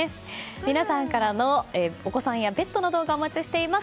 皆さんからの、お子さんやペットの動画、お待ちしています。